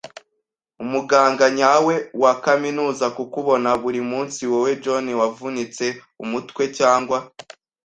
umuganga nyawe wa kaminuza kukubona burimunsi - wowe, John, wavunitse umutwe - cyangwa